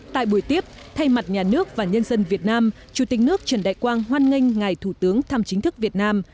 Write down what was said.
tại buổi tiếp thay mặt nhà nước và nhân dân việt nam chủ tịch nước trần đại quang hoan nghênh ngài thủ tướng thăm chính thức việt nam